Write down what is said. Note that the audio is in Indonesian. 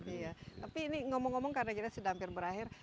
iya tapi ini ngomong ngomong karena kita sudah hampir berakhir